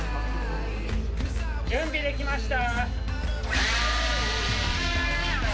準備できました！